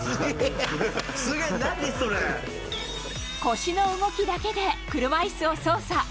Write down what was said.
腰の動きだけで、車いすを操作。